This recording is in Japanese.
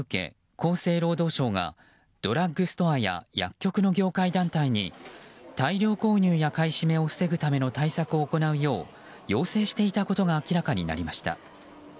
厚生労働省がドラッグストアや薬局の業界団体に大量購入や買い占めを防ぐための取り組みを行うよう要請していたことが明らかになりました。